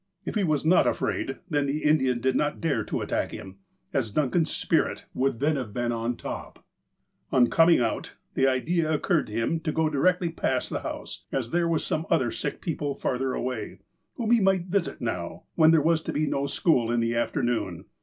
If he was not afraid, then the Indian did not dare to attack him, as Duncan's "spirit " would then have been on top. On coming out, the idea occurred to him to go directly past the house, as there were some other sick peojple farther away, whom he might visit now, when there was to be no school in the afternoon.